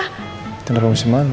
kita gak mau si manu